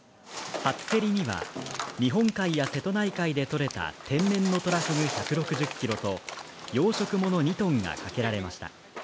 初競りには日本海や瀬戸内海でとれた天然のトラフグ１６０ｋｇと養殖もの２トンがかけられました。